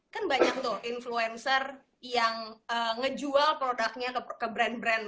kan banyak tuh influencer yang ngejual produknya ke brand brand